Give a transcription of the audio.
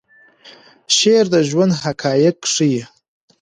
شعر د ژوند حقایق ښیي.